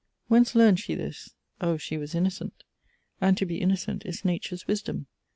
Whence learned she this? O she was innocent! And to be innocent is Nature's wisdom!